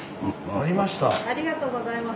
ありがとうございます。